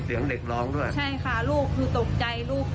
เพราะรถข้างหลังมันมีมาเยอะมากเลยค่ะ